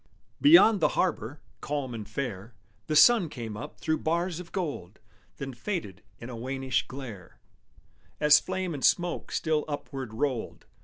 Beyond the harbor, calm and fair, The sun came up through bars of gold, Then faded in a wannish glare, As flame and smoke still upward rolled.